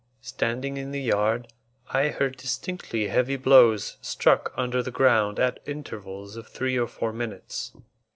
Standing in the yard, I heard distinctly heavy blows struck under the ground at intervals of three or four minutes.